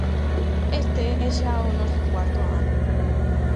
Este é xa o noso cuarto ano.